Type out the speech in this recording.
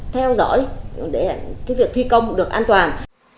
theo dõi để cái việc thi công được an toàn